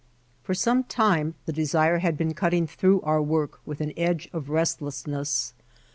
For some time the desire had been cutting through our work with an edge of restlessness.